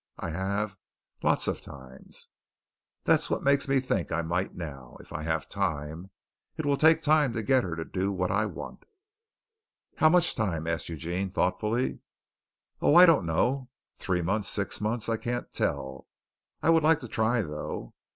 I have, lots of times. That's what makes me think I might now, if I have time. It will take time to get her to do what I want." "How much time?" asked Eugene thoughtfully. "Oh, I don't know. Three months. Six months. I can't tell. I would like to try, though."